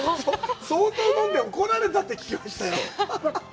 相当飲んで怒られたって聞きましたよ。